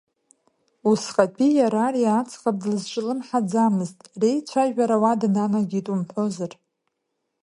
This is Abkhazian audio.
Усҟатәи иара ари аӡӷаб длызҿлымҳаӡамызт, реицәажәара уа днанагеит умҳәозар.